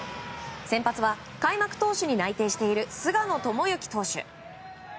先発は開幕投手に内定している菅野智之投手。